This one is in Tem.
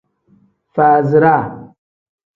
Faaziraa.